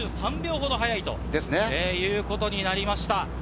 ２３秒ほど速いということになりました。